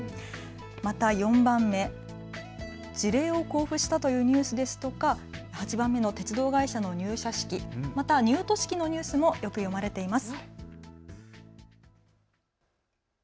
また４番目の辞令を交付したというニュースですとか８番目の鉄道会社の入社式のニュースもよく読まれています。